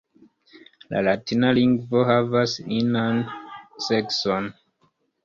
La latina lingvo havas inan sekson.